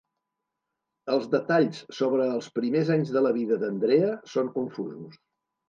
Els detalls sobre els primers anys de la vida d'Andrea són confusos.